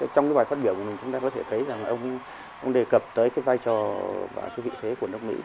trong bài phát biểu của mình chúng ta có thể thấy ông đề cập tới vai trò và vị thế của nước mỹ